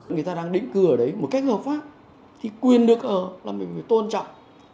người ta đang đỉnh cửa đấy một cách hợp pháp thì quyền được là mình phải tôn trọng